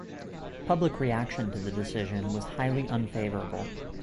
Public reaction to the decision was highly unfavorable.